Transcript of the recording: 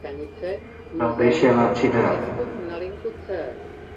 Não deixe ela atirar.